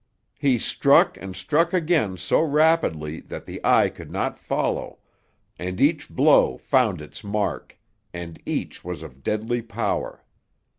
He struck and struck again so rapidly that the eye could not follow, and each blow found its mark; and each was of deadly power.